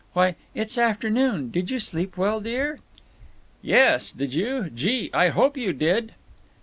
Why, it's afternoon! Did you sleep well, dear?" "Yes. Did you? Gee, I hope you did!"